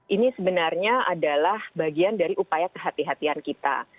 ini sebenarnya adalah bagian dari upaya kehati hatian kita